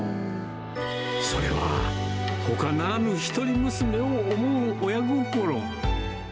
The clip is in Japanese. それは、ほかならぬ一人娘を思う親心。